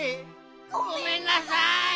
ごめんなさい！